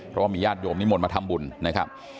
เพราะว่ามีญาติโยมนิมนต์มาทำบุญนะครับ